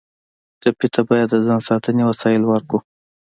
ټپي ته باید د ځان ساتنې وسایل ورکړو.